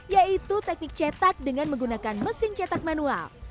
yaitu teknik cetak dengan menggunakan mesin cetak manual